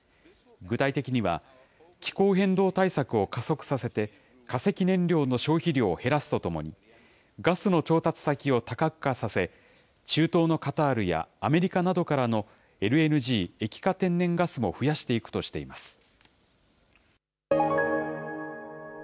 具体的には、気候変動対策を加速させて、化石燃料の消費量を減らすとともに、ガスの調達先を多角化させ、中東のカタールや、アメリカなどからのＬＮＧ・液化天然ガスも増やしていくとしています。